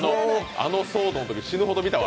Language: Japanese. あの騒動のとき死ぬほど見たわ。